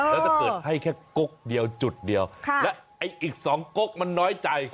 แล้วถ้าเกิดให้แค่กกเดียวจุดเดียวและอีก๒กกมันน้อยใจ